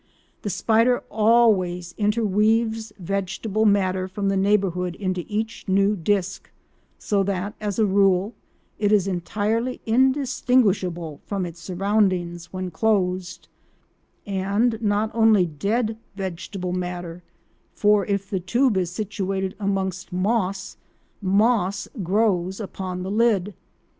The spider always interweaves vegetable matter from the neighbourhood into each new disc, so that, as a rule, it is entirely indistinguishable from its surroundings when closed; and not only dead vegetable matter, for if the tube is situated amongst moss, moss grows upon the lid.